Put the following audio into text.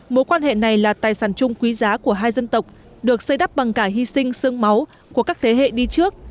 mối quan hệ này là tài sản chung quý giá của hai dân tộc được xây đắp bằng cả hy sinh sương máu của các thế hệ đi trước